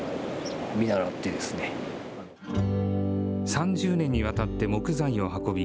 ３０年にわたって木材を運び、